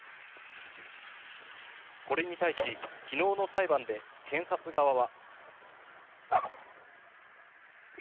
これに対し昨日の裁判で検察側は。